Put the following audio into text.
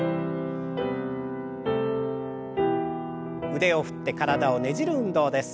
腕を振って体をねじる運動です。